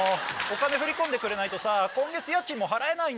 振り込んでくれないと今月家賃も払えないんだよ。